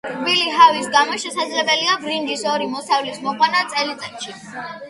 რბილი ჰავის გამო შესაძლებელია ბრინჯის ორი მოსავლის მოყვანა წელიწადში.